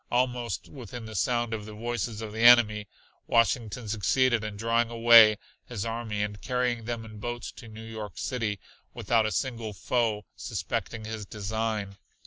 Almost within the sound of the voices of the enemy Washington succeeded in drawing away his army and carrying them in boats to New York City, without a single foe suspecting his design.